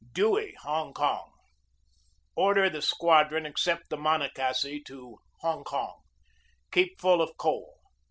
"DEWEY, Hong Kong: "Order the squadron except the Monocacy to Hong Kong. Keep full of coal.